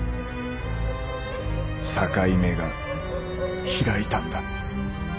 「境目」がひらいたんだ。